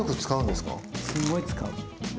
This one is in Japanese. すごい使う。